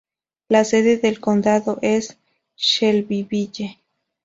La sede del condado es Shelbyville.